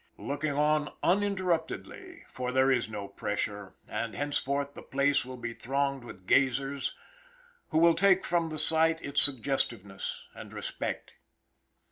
Looking on uninterruptedly! for there is no pressure, and henceforward the place will be thronged with gazers who will take from the sight its suggestiveness and respect.